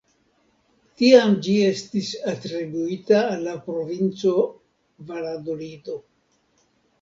Tiam ĝi estis atribuita al la provinco Valadolido.